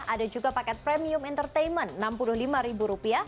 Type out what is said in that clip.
ada juga paket premium entertainment rp enam puluh lima